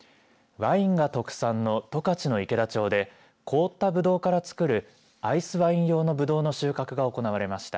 ワインが特産の十勝の池田町で凍ったぶどうから造るアイスワイン用のぶどうの収穫が行われました。